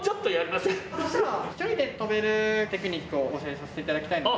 そしたらひとりで飛べるテクニックをお教えさせて頂きたいので。